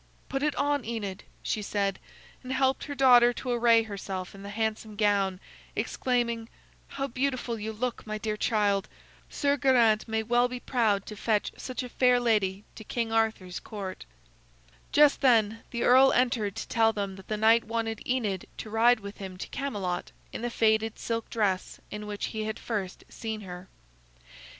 "Put it on, Enid," she said, and helped her daughter to array herself in the handsome gown, exclaiming: "How beautiful you look, my dear child! Sir Geraint may well be proud to fetch such a fair lady to King Arthur's Court." Just then the earl entered to tell them that the knight wanted Enid to ride with him to Camelot in the faded silk dress in which he had first seen her.